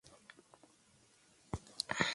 Revista político-económica".